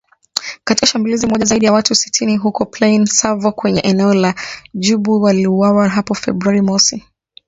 Katika shambulizi moja, zaidi ya watu sitini huko Plaine Savo kwenye eneo la Djubu waliuawa hapo Februari mosi